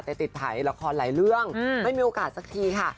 แต่ติดถ่ายละครหลายเรื่องไม่มีโอกาสสักทีค่ะ